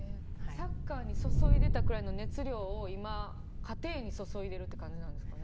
サッカーに注いでたくらいの熱量を今、家庭に注いでいるっていう感じなんですかね。